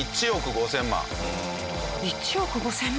１億５０００万？